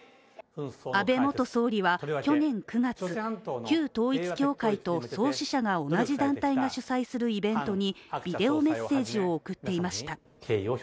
安倍元総理は去年９月、旧統一教会と創始者が同じ団体が主催するイベントにビデオメッセージを送っていました。